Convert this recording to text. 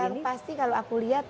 yang pasti kalau aku lihat